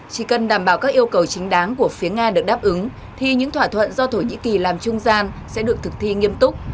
chỉ cần đảm bảo các yêu cầu chính đáng của phía nga được đáp ứng thì những thỏa thuận do thổ nhĩ kỳ làm trung gian sẽ được thực thi nghiêm túc